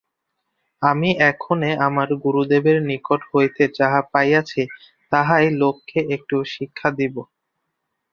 আমি এক্ষণে আমার গুরুদেবের নিকট হইতে যাহা পাইয়াছি, তাহাই লোককে একটু শিক্ষা দিব।